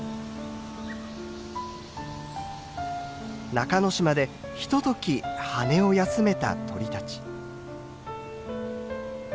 中之島でひととき羽を休めた鳥たち。